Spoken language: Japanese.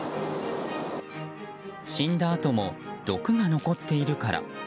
死んだあとも毒が残っているから。